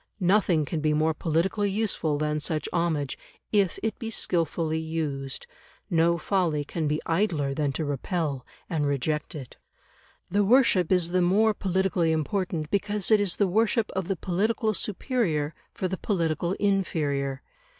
Nothing can be more politically useful than such homage, if it be skilfully used; no folly can be idler than to repel and reject it. The worship is the more politically important because it is the worship of the political superior for the political inferior.